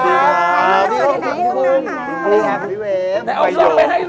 ลูกเหมือนวิ่งได้เลยอะ